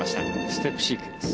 ステップシークエンス。